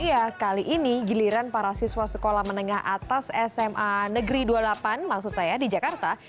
iya kali ini giliran para siswa sekolah menengah atas sma negeri dua puluh delapan maksud saya di jakarta